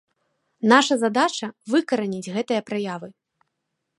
Наша задача выкараніць гэтыя праявы.